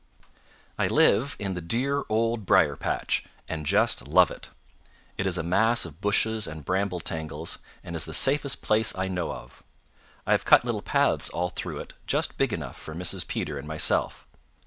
"I live in the dear Old Briar patch and just love it. It is a mass of bushes and bramble tangles and is the safest place I know of. I have cut little paths all through it just big enough for Mrs. Peter and myself.